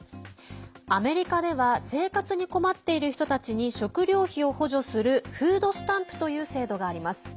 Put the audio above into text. アメリカでは生活に困っている人たちに食料費を補助するフードスタンプという制度があります。